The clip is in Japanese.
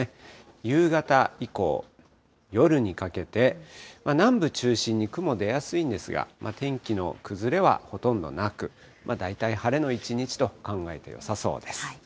夕方以降、夜にかけて、南部中心に雲出やすいんですが、天気の崩れはほとんどなく、大体晴れの一日と考えてよさそうです。